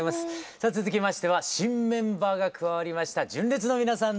さあ続きましては新メンバーが加わりました純烈の皆さんです。